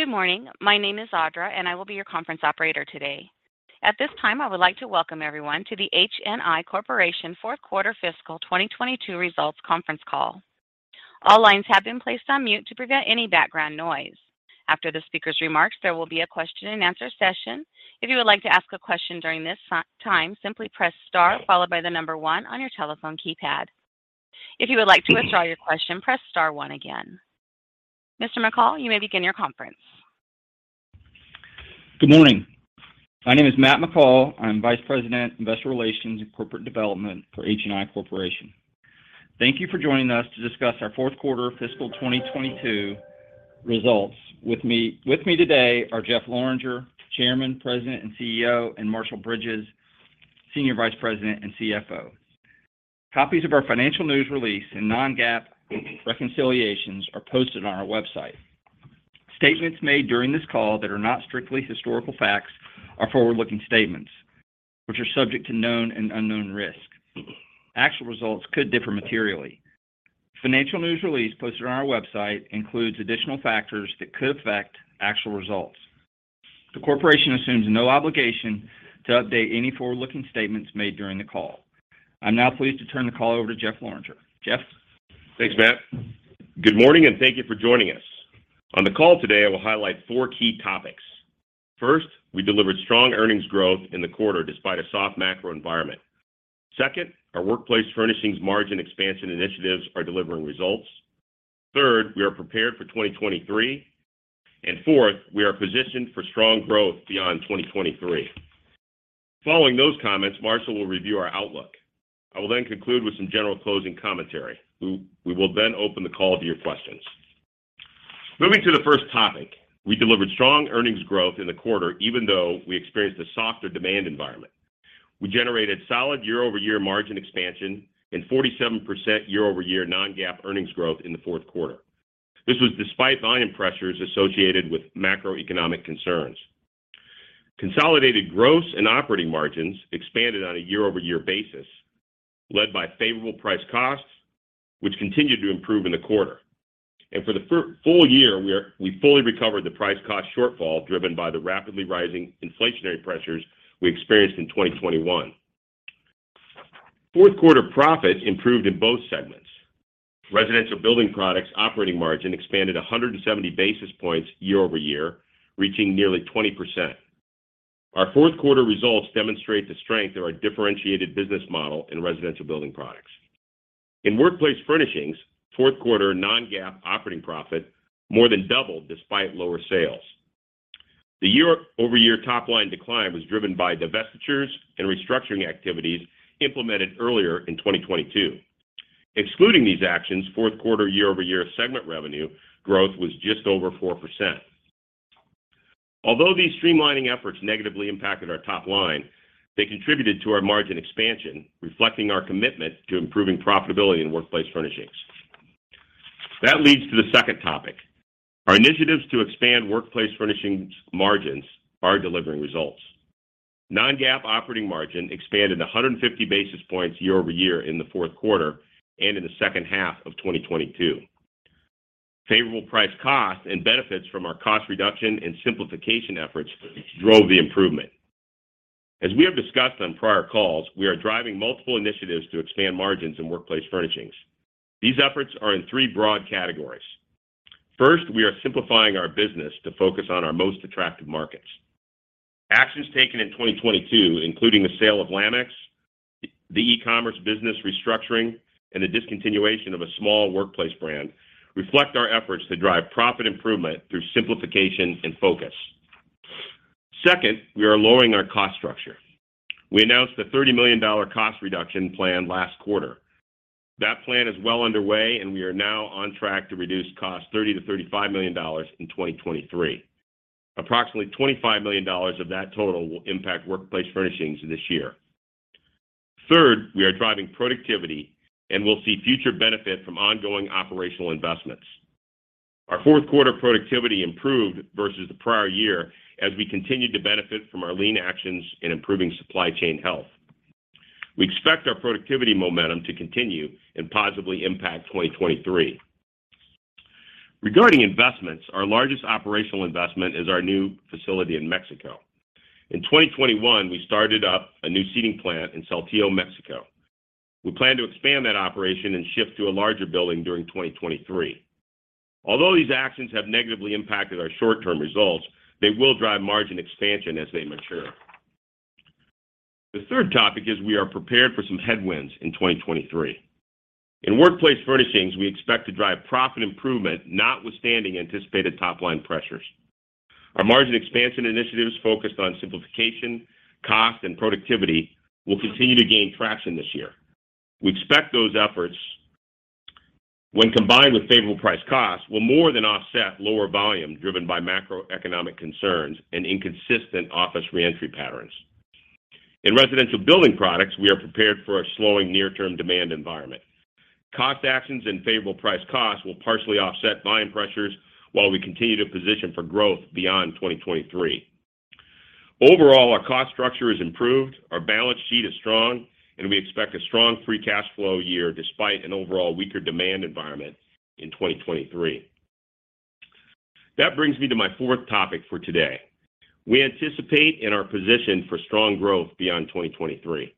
Good morning. My name is Audra, I will be your conference operator today. At this time, I would like to welcome everyone to the HNI Corporation fourth quarter fiscal 2022 results conference call. All lines have been placed on mute to prevent any background noise. After the speaker's remarks, there will be a question-and-answer session. If you would like to ask a question during this time, simply press star followed by one on your telephone keypad. If you would like to withdraw your question, press star one again. Mr. McCall, you may begin your conference. Good morning. My name is Matt McCall. I'm Vice President, Investor Relations and Corporate Development for HNI Corporation. Thank you for joining us to discuss our fourth quarter fiscal 2022 results. With me today are Jeff Lorenger, Chairman, President, and CEO, and Marshall Bridges, Senior Vice President and CFO. Copies of our financial news release and non-GAAP reconciliations are posted on our website. Statements made during this call that are not strictly historical facts are forward-looking statements, which are subject to known and unknown risks. Actual results could differ materially. Financial news release posted on our website includes additional factors that could affect actual results. The corporation assumes no obligation to update any forward-looking statements made during the call. I'm now pleased to turn the call over to Jeff Lorenger. Jeff? Thanks, Matt. Good morning, thank you for joining us. On the call today, I will highlight four key topics. First, we delivered strong earnings growth in the quarter despite a soft macro environment. Second, our Workplace Furnishings margin expansion initiatives are delivering results. Third, we are prepared for 2023. Fourth, we are positioned for strong growth beyond 2023. Following those comments, Marshall will review our outlook. I will conclude with some general closing commentary. We will open the call to your questions. Moving to the first topic, we delivered strong earnings growth in the quarter, even though we experienced a softer demand environment. We generated solid year-over-year margin expansion and 47% year-over-year non-GAAP earnings growth in the fourth quarter. This was despite volume pressures associated with macroeconomic concerns. Consolidated gross and operating margins expanded on a year-over-year basis, led by favorable price costs, which continued to improve in the quarter. For the full year, we fully recovered the price cost shortfall driven by the rapidly rising inflationary pressures we experienced in 2021. Fourth quarter profit improved in both segments. Residential Building Products operating margin expanded 170 basis points year-over-year, reaching nearly 20%. Our fourth quarter results demonstrate the strength of our differentiated business model in Residential Building Products. In Workplace Furnishings, fourth quarter non-GAAP operating profit more than doubled despite lower sales. The year-over-year top line decline was driven by divestitures and restructuring activities implemented earlier in 2022. Excluding these actions, fourth quarter year-over-year segment revenue growth was just over 4%. Although these streamlining efforts negatively impacted our top line, they contributed to our margin expansion, reflecting our commitment to improving profitability in Workplace Furnishings. That leads to the second topic. Our initiatives to expand Workplace Furnishings margins are delivering results. non-GAAP operating margin expanded 150 basis points year-over-year in the fourth quarter and in the second half of 2022. Favorable price cost and benefits from our cost reduction and simplification efforts drove the improvement. As we have discussed on prior calls, we are driving multiple initiatives to expand margins in Workplace Furnishings. These efforts are in three broad categories. First, we are simplifying our business to focus on our most attractive markets. Actions taken in 2022, including the sale of Lamex, the e-commerce business restructuring, and the discontinuation of a small workplace brand, reflect our efforts to drive profit improvement through simplification and focus. Second, we are lowering our cost structure. We announced a $30 million cost reduction plan last quarter. That plan is well underway, and we are now on track to reduce costs $30 million-$35 million in 2023. Approximately $25 million of that total will impact Workplace Furnishings this year. Third, we are driving productivity and will see future benefit from ongoing operational investments. Our fourth quarter productivity improved versus the prior year as we continued to benefit from our lean actions in improving supply chain health. We expect our productivity momentum to continue and positively impact 2023. Regarding investments, our largest operational investment is our new facility in Mexico. In 2021, we started up a new seating plant in Saltillo, Mexico. We plan to expand that operation and shift to a larger building during 2023. These actions have negatively impacted our short-term results, they will drive margin expansion as they mature. The third topic is we are prepared for some headwinds in 2023. In Workplace Furnishings, we expect to drive profit improvement notwithstanding anticipated top-line pressures. Our margin expansion initiatives focused on simplification, cost, and productivity will continue to gain traction this year. We expect those efforts, when combined with favorable price cost, will more than offset lower volume driven by macroeconomic concerns and inconsistent office reentry patterns. In Residential Building Products, we are prepared for a slowing near-term demand environment. Cost actions and favorable price cost will partially offset volume pressures while we continue to position for growth beyond 2023. Overall, our cost structure has improved, our balance sheet is strong, and we expect a strong free cash flow year despite an overall weaker demand environment in 2023. That brings me to my fourth topic for today. We anticipate and are positioned for strong growth beyond 2023.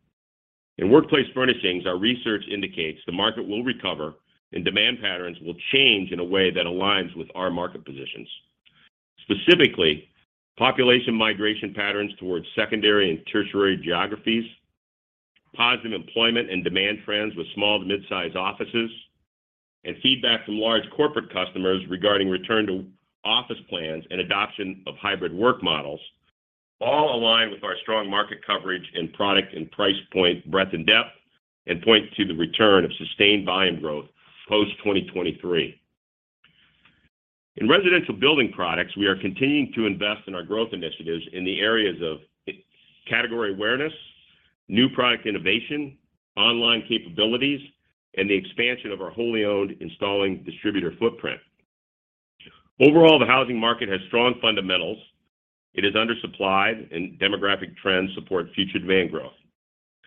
In Workplace Furnishings, our research indicates the market will recover and demand patterns will change in a way that aligns with our market positions. Specifically, population migration patterns towards secondary and tertiary geographies, positive employment and demand trends with small to mid-size offices, and feedback from large corporate customers regarding return to office plans and adoption of hybrid work models all align with our strong market coverage in product and price point breadth and depth, and point to the return of sustained volume growth post-2023. In Residential Building Products, we are continuing to invest in our growth initiatives in the areas of category awareness, new product innovation, online capabilities, and the expansion of our wholly owned installing distributor footprint. Overall, the housing market has strong fundamentals. It is undersupplied and demographic trends support future demand growth.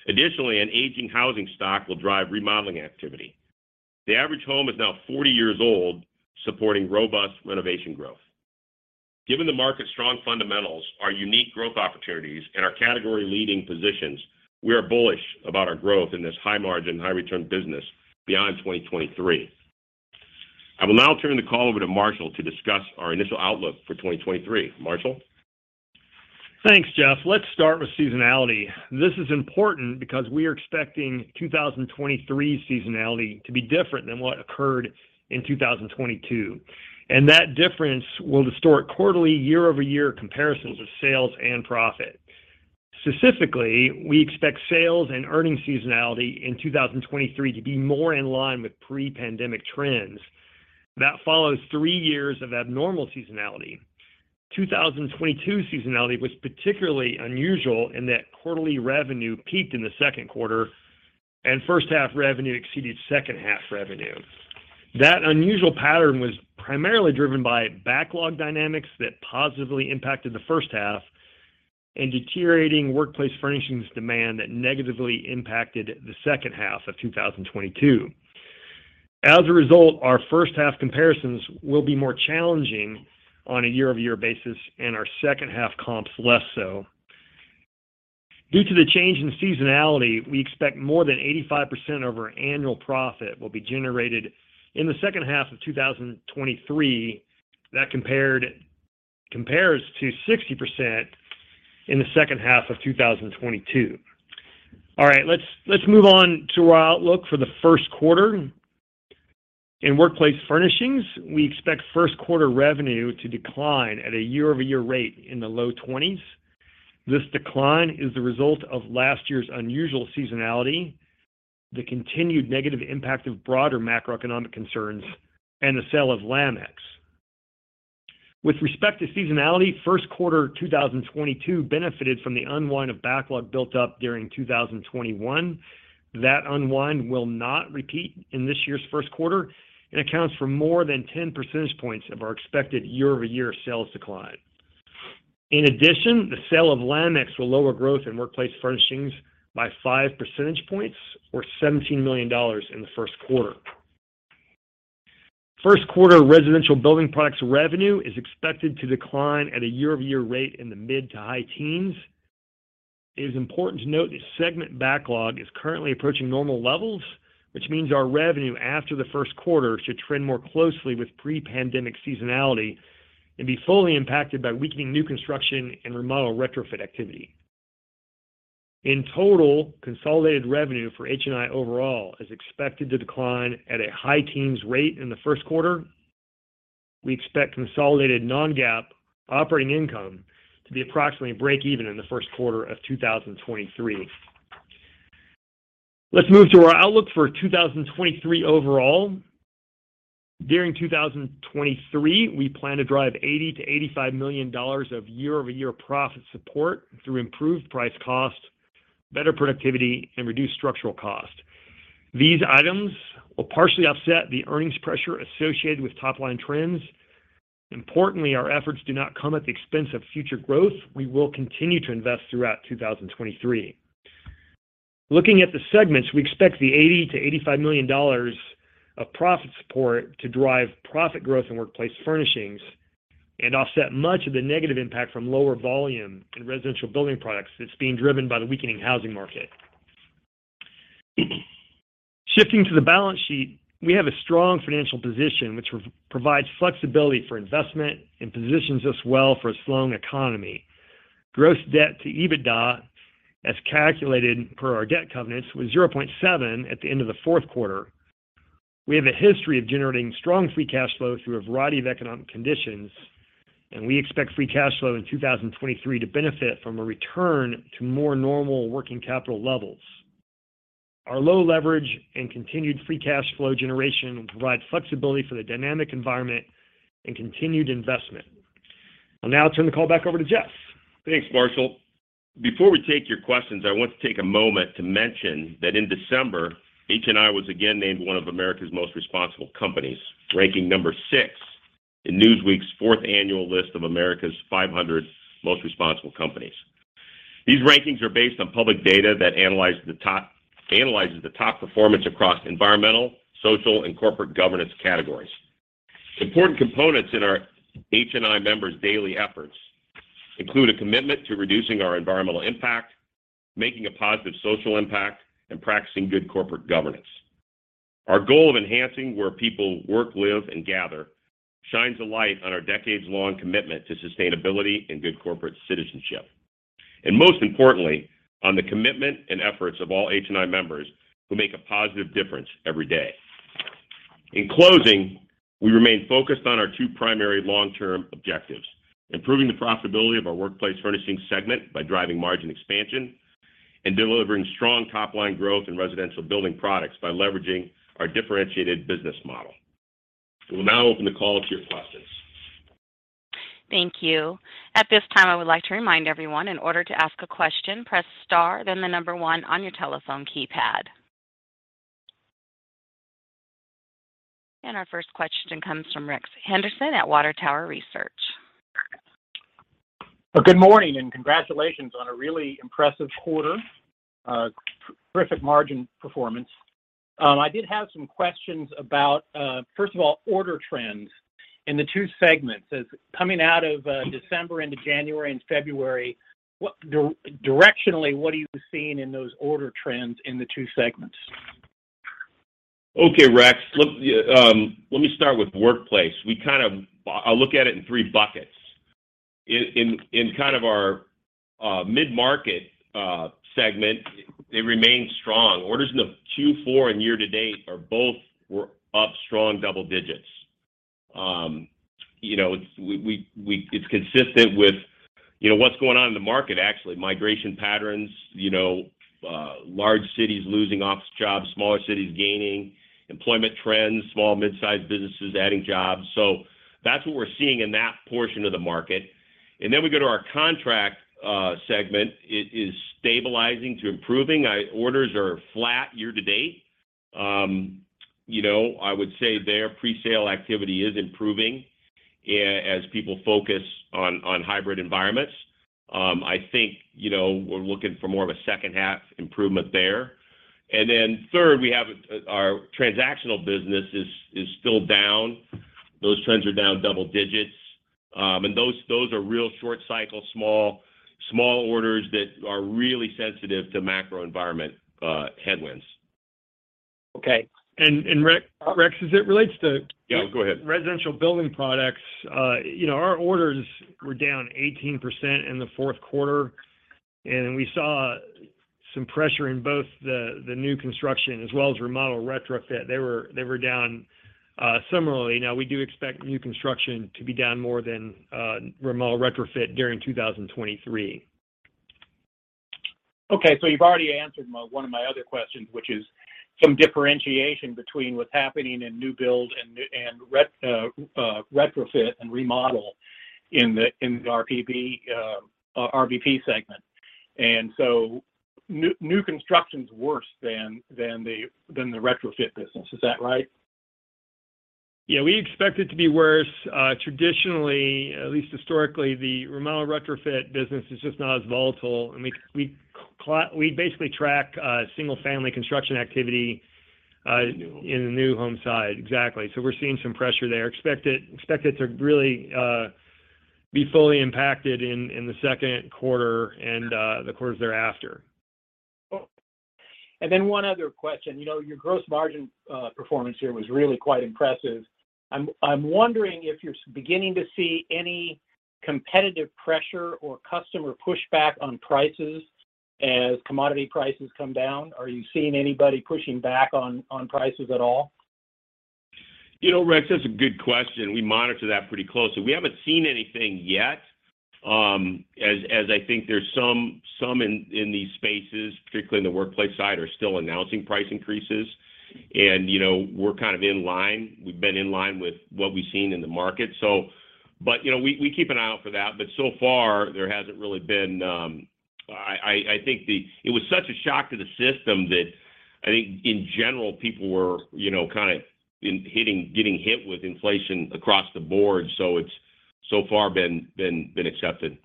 Additionally, an aging housing stock will drive remodeling activity. The average home is now 40 years old, supporting robust renovation growth. Given the market's strong fundamentals, our unique growth opportunities, and our category-leading positions, we are bullish about our growth in this high margin, high return business beyond 2023. I will now turn the call over to Marshall to discuss our initial outlook for 2023. Marshall? Thanks, Jeff. Let's start with seasonality. This is important because we are expecting 2023 seasonality to be different than what occurred in 2022, and that difference will distort quarterly year-over-year comparisons of sales and profit. Specifically, we expect sales and earnings seasonality in 2023 to be more in line with pre-pandemic trends. That follows three years of abnormal seasonality. 2022 seasonality was particularly unusual in that quarterly revenue peaked in the second quarter and first half revenue exceeded second half revenue. That unusual pattern was primarily driven by backlog dynamics that positively impacted the first half and deteriorating Workplace Furnishings demand that negatively impacted the second half of 2022. Our first half comparisons will be more challenging on a year-over-year basis and our second half comps less so. Due to the change in seasonality, we expect more than 85% of our annual profit will be generated in the second half of 2023. That compares to 60% in the second half of 2022. All right, let's move on to our outlook for the first quarter. In Workplace Furnishings, we expect first quarter revenue to decline at a year-over-year rate in the low 20%s. This decline is the result of last year's unusual seasonality, the continued negative impact of broader macroeconomic concerns, and the sale of Lamex. With respect to seasonality, first quarter 2022 benefited from the unwind of backlog built up during 2021. That unwind will not repeat in this year's first quarter and accounts for more than 10 percentage points of our expected year-over-year sales decline. The sale of Lamex will lower growth in Workplace Furnishings by 5 percentage points or $17 million in the first quarter. First quarter Residential Building Products revenue is expected to decline at a year-over-year rate in the mid-to-high teens. It is important to note that segment backlog is currently approaching normal levels, which means our revenue after the first quarter should trend more closely with pre-pandemic seasonality and be fully impacted by weakening new construction and remodel/retrofit activity. Consolidated revenue for HNI overall is expected to decline at a high-teens rate in the first quarter. We expect consolidated non-GAAP operating income to be approximately break even in the first quarter of 2023. Let's move to our outlook for 2023 overall. During 2023, we plan to drive $80 million-$85 million of year-over-year profit support through improved price cost, better productivity, and reduced structural cost. These items will partially offset the earnings pressure associated with top-line trends. Importantly, our efforts do not come at the expense of future growth. We will continue to invest throughout 2023. Looking at the segments, we expect the $80 million-$85 million of profit support to drive profit growth in Workplace Furnishings and offset much of the negative impact from lower volume in Residential Building Products that's being driven by the weakening housing market. Shifting to the balance sheet, we have a strong financial position, which provides flexibility for investment and positions us well for a slowing economy. Gross debt to EBITDA, as calculated per our debt covenants, was 0.7 at the end of the fourth quarter. We have a history of generating strong free cash flow through a variety of economic conditions. We expect free cash flow in 2023 to benefit from a return to more normal working capital levels. Our low leverage and continued free cash flow generation will provide flexibility for the dynamic environment and continued investment. I'll now turn the call back over to Jeff. Thanks, Marshall. Before we take your questions, I want to take a moment to mention that in December, HNI was again named one of America's Most Responsible Companies, ranking number six in Newsweek's fourth annual list of America's 500 Most Responsible Companies. These rankings are based on public data that analyzes the top performance across environmental, social, and corporate governance categories. Important components in our HNI members' daily efforts include a commitment to reducing our environmental impact, making a positive social impact, and practicing good corporate governance. Our goal of enhancing where people work, live, and gather shines a light on our decades-long commitment to sustainability and good corporate citizenship, and most importantly, on the commitment and efforts of all HNI members who make a positive difference every day. In closing, we remain focused on our two primary long-term objectives: improving the profitability of our Workplace Furnishings segment by driving margin expansion and delivering strong top-line growth in Residential Building Products by leveraging our differentiated business model. We will now open the call up to your questions. Thank you. At this time, I would like to remind everyone in order to ask a question, press star, then the one on your telephone keypad. Our first question comes from Rex Henderson at Water Tower Research. Good morning, congratulations on a really impressive quarter. Terrific margin performance. I did have some questions about, first of all, order trends in the two segments. Coming out of December into January and February, directionally, what are you seeing in those order trends in the two segments? Okay, Rex. Let me start with Workplace. I look at it in three buckets. In kind of our midmarket segment, it remains strong. Orders in the Q4 and year-to-date were up strong double digits. You know, it's consistent with, you know, what's going on in the market, actually. Migration patterns, you know, large cities losing office jobs, smaller cities gaining employment trends, small, mid-sized businesses adding jobs. That's what we're seeing in that portion of the market. We go to our contract segment. It is stabilizing to improving. Orders are flat year-to-date. You know, I would say their presale activity is improving as people focus on hybrid environments. I think, you know, we're looking for more of a second-half improvement there. Then third, we have our transactional business is still down. Those trends are down double digits. Those are real short cycle, small orders that are really sensitive to macro environment headwinds. Okay. Rex, as it relates to. Yeah, go ahead. Residential Building Products, you know, our orders were down 18% in the fourth quarter. We saw some pressure in both the new construction as well as remodel retrofit. They were down, similarly. We do expect new construction to be down more than remodel retrofit during 2023. You've already answered one of my other questions, which is some differentiation between what's happening in new build and retrofit and remodel in the RBP segment. New construction's worse than the retrofit business. Is that right? Yeah. We expect it to be worse. Traditionally, at least historically, the remodel retrofit business is just not as volatile. We basically track single-family construction activity. New... in the new home side. Exactly. We're seeing some pressure there. Expect it to really be fully impacted in the second quarter and the quarters thereafter. One other question. You know, your gross margin performance here was really quite impressive. I'm wondering if you're beginning to see any competitive pressure or customer pushback on prices as commodity prices come down. Are you seeing anybody pushing back on prices at all? You know, Rex, that's a good question. We monitor that pretty closely. We haven't seen anything yet, as I think there's some in these spaces, particularly in the workplace side, are still announcing price increases. You know, we're kind of in line. We've been in line with what we've seen in the market. You know, we keep an eye out for that. So far, there hasn't really been. I think it was such a shock to the system that I think in general, people were, you know, kinda getting hit with inflation across the board. It's so far been accepted.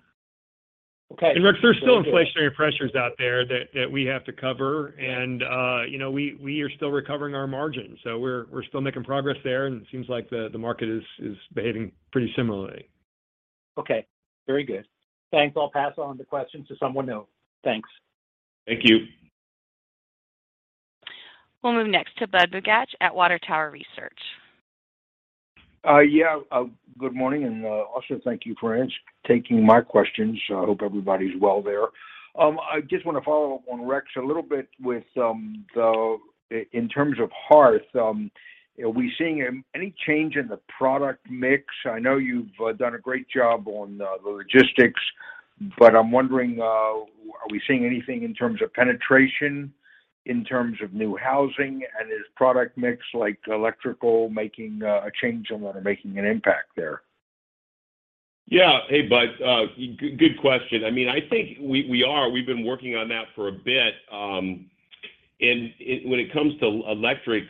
Okay. Rex, there's still inflationary pressures out there that we have to cover. You know, we are still recovering our margins, so we're still making progress there, and it seems like the market is behaving pretty similarly. Okay. Very good. Thanks. I'll pass on the question to someone else. Thanks. Thank you. We'll move next to Budd Bugatch at Water Tower Research. Yeah. Good morning, and also thank you for taking my questions. Hope everybody's well there. I just wanna follow up on Rex a little bit with in terms of hearth, are we seeing any change in the product mix? I know you've done a great job on the logistics, but I'm wondering, are we seeing anything in terms of penetration in terms of new housing and is product mix like electrical making a change or what are making an impact there? Yeah. Hey, Bud. Good question. I mean, I think we are. We've been working on that for a bit, and when it comes to electric,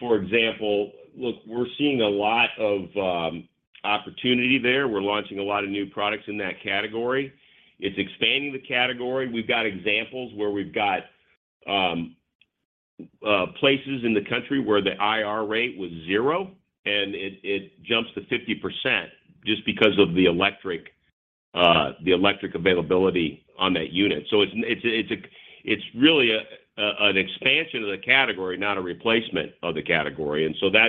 for example, look, we're seeing a lot of opportunity there. We're launching a lot of new products in that category. It's expanding the category. We've got examples where we've got places in the country where the IR rate was zero, and it jumps to 50% just because of the electric, the electric availability on that unit. It's really an expansion of the category, not a replacement of the category. So that...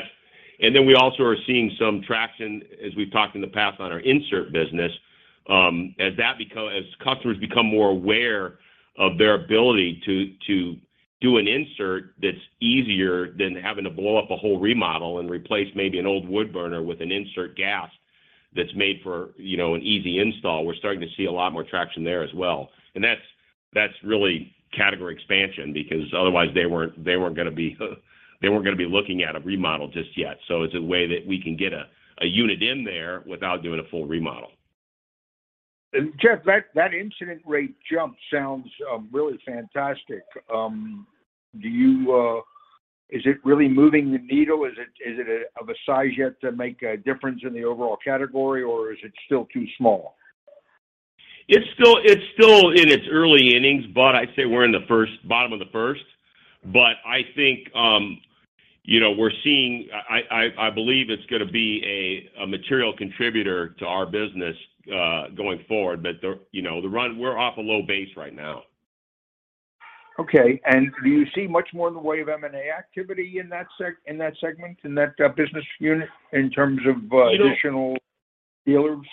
We also are seeing some traction as we've talked in the past on our insert business, as customers become more aware of their ability to do an insert that's easier than having to blow up a whole remodel and replace maybe an old wood burner with an insert gas that's made for, you know, an easy install. We're starting to see a lot more traction there as well. That's really category expansion because otherwise they weren't gonna be looking at a remodel just yet. It's a way that we can get a unit in there without doing a full remodel. Jeff, that incident rate jump sounds really fantastic. Is it really moving the needle? Is it of a size yet to make a difference in the overall category, or is it still too small? It's still, it's still in its early innings, Bud. I'd say we're in the bottom of the first. I think, you know, we're seeing, I believe it's gonna be a material contributor to our business, going forward. The, you know, we're off a low base right now. Okay. Do you see much more in the way of M&A activity in that segment, in that business unit in terms of? You know. Additional dealers?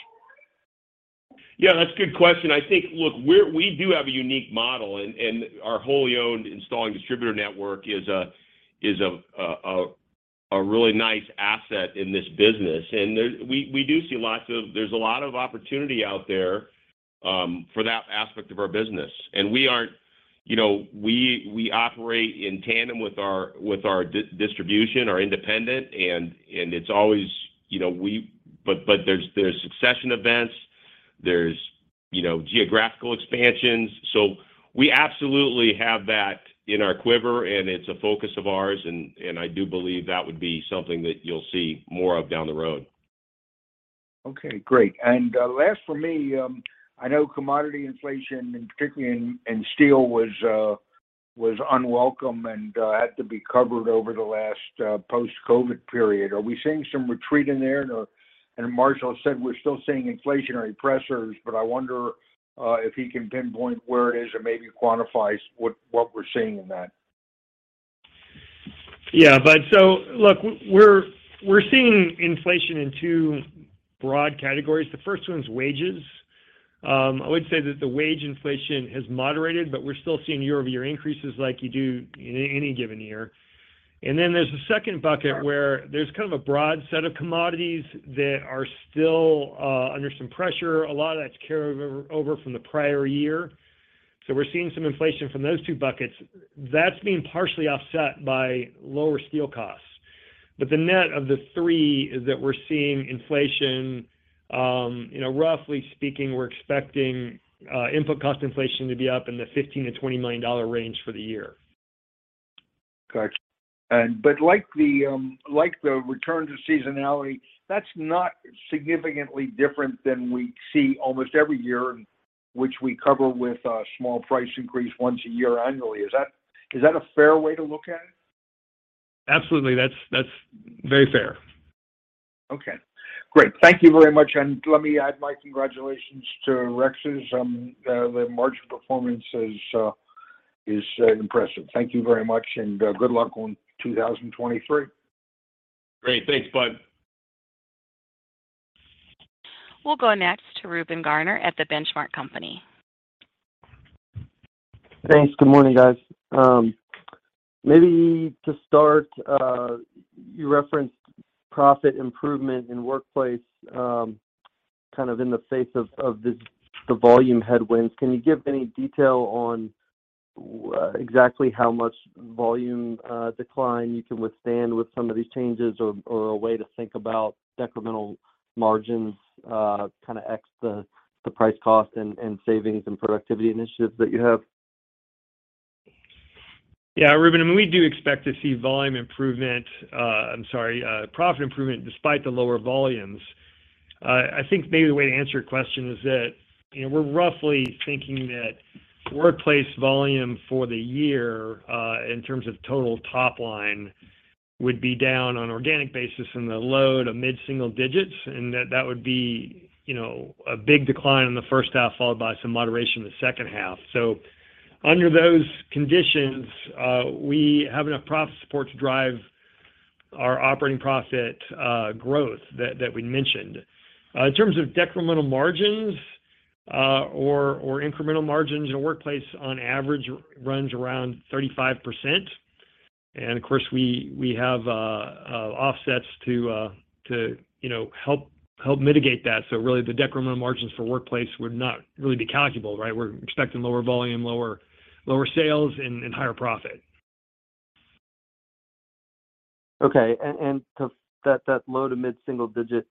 Yeah, that's a good question. I think, look, we do have a unique model and our wholly owned installing distributor network is a, is a really nice asset in this business. We do see lots of... there's a lot of opportunity out there for that aspect of our business. We aren't... you know, we operate in tandem with our distribution are independent and it's always... you know, but there's succession events, there's, you know, geographical expansions. We absolutely have that in our quiver, and it's a focus of ours, I do believe that would be something that you'll see more of down the road. Okay, great. Last for me, I know commodity inflation, particularly in steel, was unwelcome and had to be covered over the last post-COVID period. Are we seeing some retreat in there? Marshall said we're still seeing inflationary pressures, but I wonder, if he can pinpoint where it is or maybe quantify what we're seeing in that. Yeah. Budd, look, we're seeing inflation in two broad categories. The first one is wages. I would say that the wage inflation has moderated, but we're still seeing year-over-year increases like you do in any given year. There's a second bucket where there's kind of a broad set of commodities that are still under some pressure. A lot of that's carried over from the prior year. we're seeing some inflation from those two buckets. That's being partially offset by lower steel costs. the net of the three is that we're seeing inflation, you know, roughly speaking, we're expecting input cost inflation to be up in the $15 million-$20 million range for the year. Gotcha. Like the return to seasonality, that's not significantly different than we see almost every year, which we cover with a small price increase once a year annually. Is that, is that a fair way to look at it? Absolutely. That's very fair. Okay, great. Thank you very much. Let me add my congratulations to Rex's. The, the March performance is impressive. Thank you very much, and good luck on 2023. Great. Thanks, Bud. We'll go next to Reuben Garner at The Benchmark Company. Thanks. Good morning, guys. Maybe to start, you referenced profit improvement in Workplace, kind of in the face of the volume headwinds. Can you give any detail on exactly how much volume decline you can withstand with some of these changes or a way to think about decremental margins, kind of ex the price cost and savings and productivity initiatives that you have? Yeah, Reuben. We do expect to see volume improvement, profit improvement despite the lower volumes. I think maybe the way to answer your question is that, you know, we're roughly thinking that Workplace volume for the year, in terms of total top line, would be down on organic basis in the low to mid single digits. That would be, you know, a big decline in the first half, followed by some moderation in the second half. Under those conditions, we have enough profit support to drive our operating profit growth that we mentioned. In terms of decremental margins or incremental margins, Workplace on average runs around 35%. Of course, we have offsets to, you know, help mitigate that. Really the decremental margins for workplace would not really be calculable, right? We're expecting lower volume, lower sales and higher profit. Okay. To that low to mid-single-digit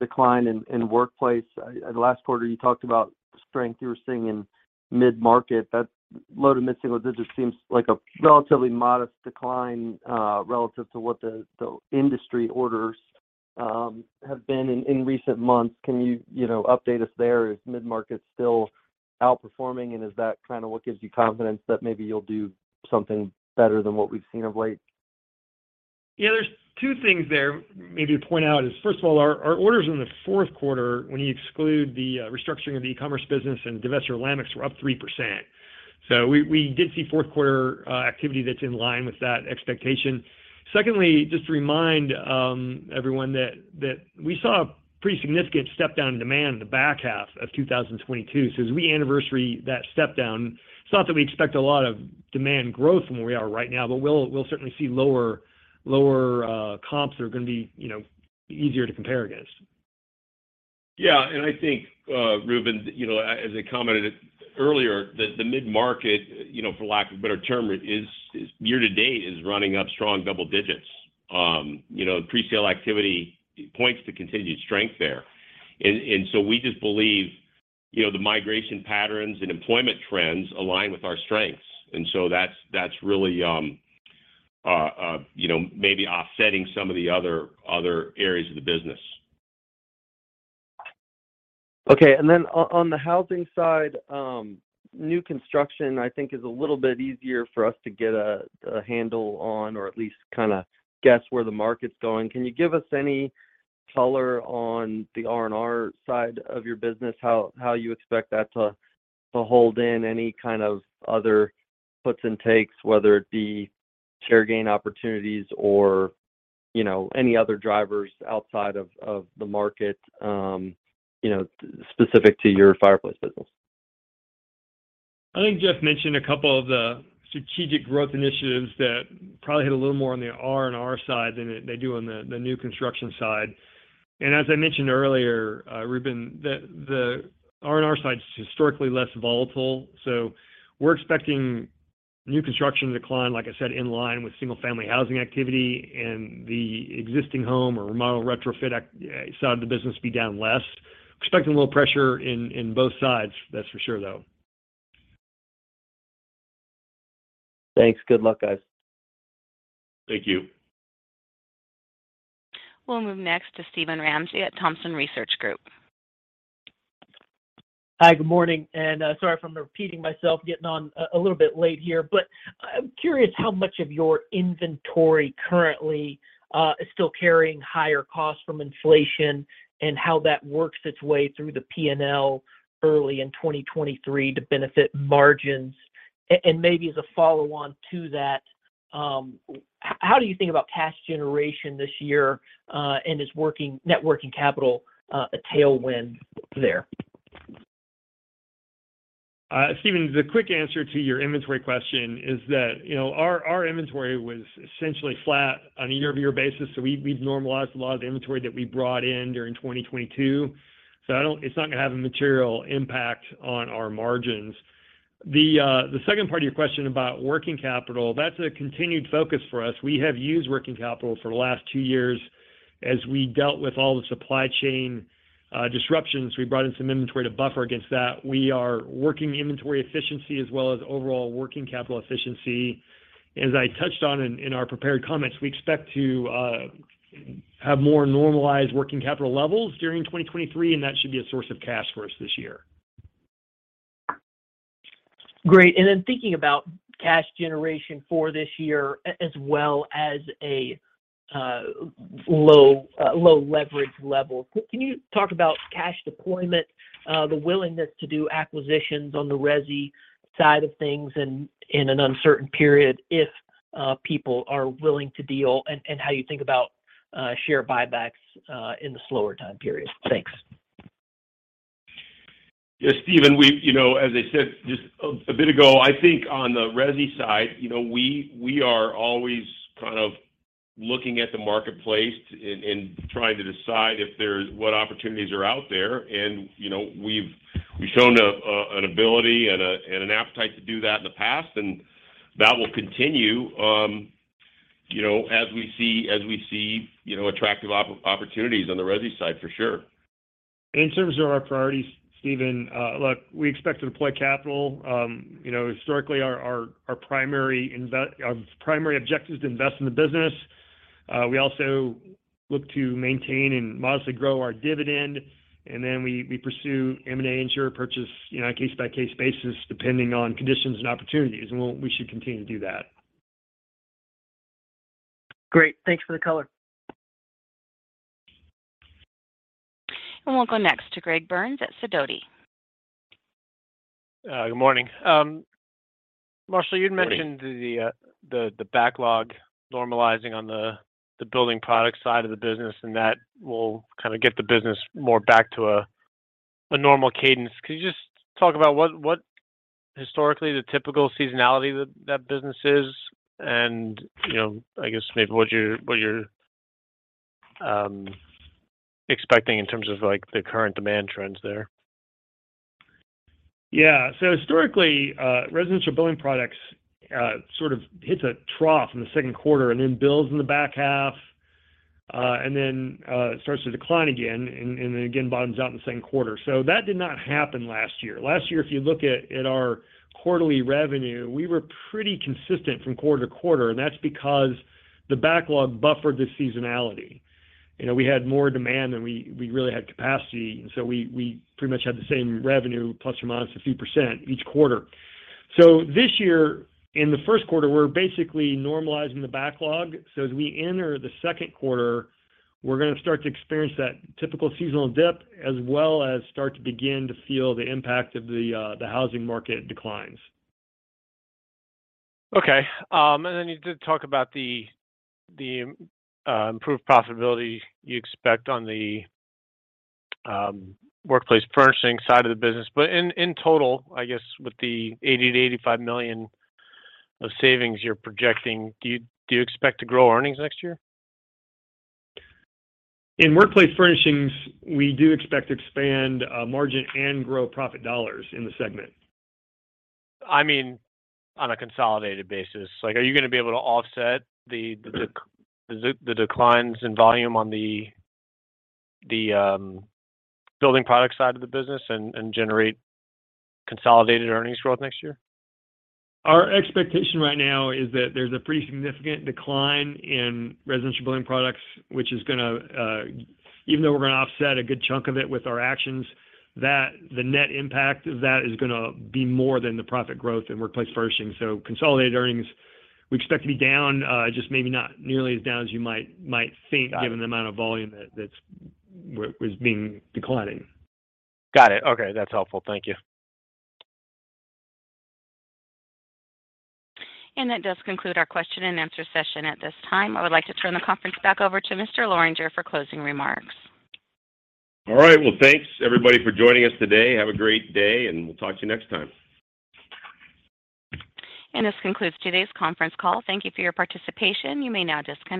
decline in Workplace, yeah, last quarter, you talked about strength you were seeing in mid-market. That low to mid-single-digit seems like a relatively modest decline, relative to what the industry orders have been in recent months. Can you know, update us there? Is mid-market still outperforming? Is that kinda what gives you confidence that maybe you'll do something better than what we've seen of late? Yeah, there's two things there maybe to point out is, first of all, our orders in the fourth quarter, when you exclude the restructuring of the e-commerce business and divest your Lamex, we're up 3%. We did see fourth quarter activity that's in line with that expectation. Secondly, just to remind everyone that we saw a pretty significant step down in demand in the back half of 2022. As we anniversary that step down, it's not that we expect a lot of demand growth from where we are right now, but we'll certainly see lower comps that are gonna be, you know, easier to compare against. Yeah. I think, Reuben, you know, as I commented earlier, the mid-market, you know, for lack of a better term, is year-to-date is running up strong double digits. You know, presale activity points to continued strength there. We just believe, you know, the migration patterns and employment trends align with our strengths. That's, that's really, you know, maybe offsetting some of the other areas of the business. Okay. On the housing side, new construction, I think is a little bit easier for us to get a handle on or at least kinda guess where the market's going. Can you give us any color on the R&R side of your business, how you expect that to hold in any kind of other puts and takes, whether it be share gain opportunities or, you know, any other drivers outside of the market, you know, specific to your fireplace business? I think Jeff mentioned a couple of the strategic growth initiatives that probably hit a little more on the R&R side than they do on the new construction side. As I mentioned earlier, Reuben, the R&R side is historically less volatile, so we're expecting new construction decline, like I said, in line with single-family housing activity and the existing home or remodel retrofit side of the business to be down less. Expecting a little pressure in both sides, that's for sure, though. Thanks. Good luck, guys. Thank you. We'll move next to Steven Ramsey at Thompson Research Group. Hi, good morning, and sorry if I'm repeating myself, getting on a little bit late here, but I'm curious how much of your inventory currently is still carrying higher costs from inflation and how that works its way through the P&L early in 2023 to benefit margins. Maybe as a follow on to that, how do you think about cash generation this year, and is net working capital a tailwind there? Steven, the quick answer to your inventory question is that, you know, our inventory was essentially flat on a year-over-year basis, so we've normalized a lot of the inventory that we brought in during 2022. It's not gonna have a material impact on our margins. The second part of your question about working capital, that's a continued focus for us. We have used working capital for the last two years as we dealt with all the supply chain disruptions. We brought in some inventory to buffer against that. We are working inventory efficiency as well as overall working capital efficiency. As I touched on in our prepared comments, we expect to have more normalized working capital levels during 2023, and that should be a source of cash for us this year. Great. And then thinking about cash generation for this year as well as a low low leverage level. Can you talk about cash deployment, the willingness to do acquisitions on the resi side of things in an uncertain period if people are willing to deal, and how you think about share buybacks in the slower time period? Thanks. Yeah, Steven, we, you know, as I said just a bit ago, I think on the resi side, you know, we are always kind of looking at the marketplace and trying to decide if there's what opportunities are out there. You know, we've shown an ability and an appetite to do that in the past, and that will continue, you know, as we see, you know, attractive opportunities on the resi side for sure. In terms of our priorities, Steven, look, we expect to deploy capital. You know, historically, our primary objective is to invest in the business. We also look to maintain and modestly grow our dividend. Then we pursue M&A insurer purchase, you know, on a case-by-case basis, depending on conditions and opportunities. We should continue to do that. Great. Thanks for the color. We'll go next to Greg Burns at Sidoti. Good morning. Marshall. Morning The backlog normalizing on the building product side of the business, that will kinda get the business more back to a normal cadence. Could you just talk about what historically the typical seasonality that business is and, you know, I guess maybe what you're expecting in terms of like the current demand trends there? Yeah. Historically, Residential Building Products sort of hits a trough in the second quarter and then builds in the back half, and then it starts to decline again and again, bottoms out in the second quarter. Last year, if you look at our quarterly revenue, we were pretty consistent from quarter to quarter, and that's because the backlog buffered the seasonality. You know, we had more demand than we really had capacity, we pretty much had the same revenue plus or minus a few percent each quarter. This year, in the first quarter, we're basically normalizing the backlog. As we enter the second quarter, we're gonna start to experience that typical seasonal dip, as well as start to begin to feel the impact of the housing market declines. Okay. You did talk about the improved profitability you expect on the Workplace Furnishings side of the business. In total, I guess with the $80 million-$85 million of savings you're projecting, do you expect to grow earnings next year? In Workplace Furnishings, we do expect to expand margin and grow profit dollars in the segment. I mean, on a consolidated basis. Like, are you gonna be able to offset the declines in volume on the building product side of the business and generate consolidated earnings growth next year? Our expectation right now is that there's a pretty significant decline in Residential Building Products, which is gonna, even though we're gonna offset a good chunk of it with our actions, that the net impact of that is gonna be more than the profit growth in Workplace Furnishings. Consolidated earnings, we expect to be down, just maybe not nearly as down as you might think... Got it.... given the amount of volume that's was being declining. Got it. Okay. That's helpful. Thank you. That does conclude our question-and-answer session at this time. I would like to turn the conference back over to Mr. Lorenger for closing remarks. All right. Well, thanks everybody for joining us today. Have a great day, and we'll talk to you next time. This concludes today's conference call. Thank you for your participation. You may now disconnect.